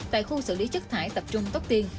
tại khu xử lý chất thải tập trung tóc tiên